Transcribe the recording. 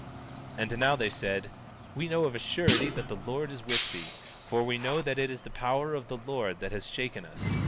17:55 And now, they said: We know of a surety that the Lord is with thee, for we know that it is the power of the Lord that has shaken us.